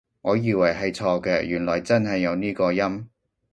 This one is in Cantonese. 我以為係錯嘅，原來真係有呢個音？